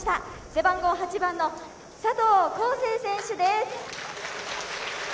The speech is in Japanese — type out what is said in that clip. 背番号８番の佐藤光成選手です。